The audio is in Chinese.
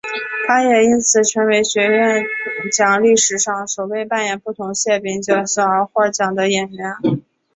她也因此成为学院奖历史上首位扮演不同性别角色而获奖的演员。